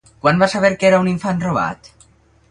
Quan va saber que era un infant robat?